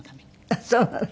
あっそうなの。